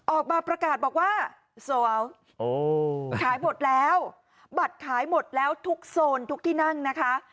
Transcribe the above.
ออกมาประกาศบอกว่าสวขายหมดแล้วบัตรขายหมดแล้วทุกโซนทุกที่นั่งนะคะ